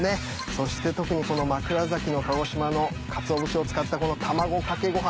そして特にこの枕崎の鹿児島のかつお節を使った卵掛けご飯